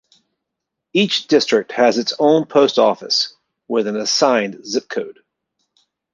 Each district has its own post office, with an assigned zip code.